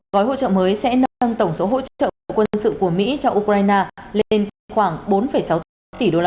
gói hỗ trợ mới sẽ nâng tổng số hỗ trợ quân sự của mỹ cho ukraine lên khoảng bốn sáu tỷ usd kể từ khi xung đột nổ ra